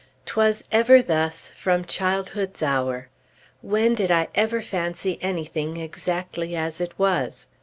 "'Twas ever thus from childhood's hour!" When did I ever fancy anything exactly as it was?